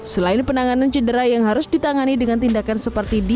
selain penanganan jadera yang harus ditangani dengan tingkat yang lebih tinggi